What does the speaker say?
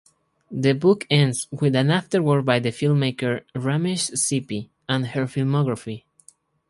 The book ends with an afterword by the filmmaker Ramesh Sippy and her filmography.